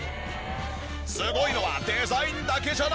すごいのはデザインだけじゃない！